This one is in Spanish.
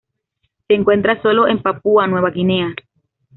Se encuentra sólo en Papúa Nueva Guinea.